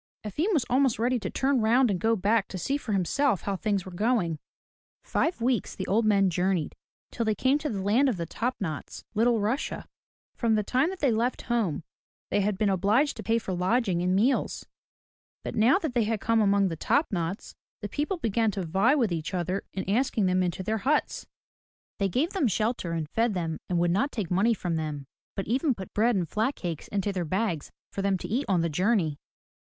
Efim was almost ready to turn round and go back to see for himself how things were going. Five weeks the old men journeyed, till they came to the land of the Top Knots (Little Russia). From the time that they left home they had been obliged to pay for lodging and meals, but now that they had come among the Top Knots the people began to vie with each other in asking them into their huts. They gave them shelter and fed them and would not take money from them, but even put bread and flat cakes into their bags for them to eat on the journey.